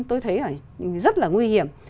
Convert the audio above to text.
tôi thấy là rất là nguy hiểm